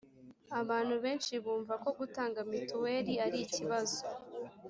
abantu benshi bumva ko gutanga mituweli ari ikibazo